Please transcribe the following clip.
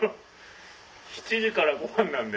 ７時からごはんなんで。